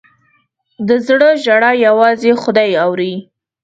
د زړه ژړا یوازې خدای اوري.